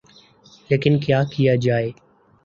لیکن کیا کیا جائے۔